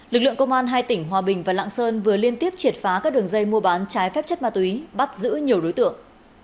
lực lượng công an hai tỉnh hòa bình và lạng sơn vừa liên tiếp triệt phá các đường dây mua bán trái phép chất ma túy bắt giữ nhiều đối tượng